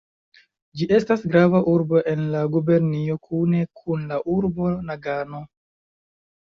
Ĝi estas grava urbo en la gubernio kune kun la urbo Nagano.